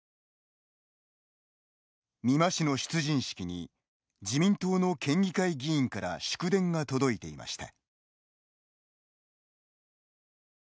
美馬氏の出陣式に自民党の県議会議員から祝電が届いていました。